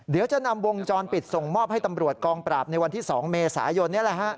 เดี๋ยวจะนำวงจรปิดส่งมอบให้ตำรวจกองปราบในวันที่๒เมษายน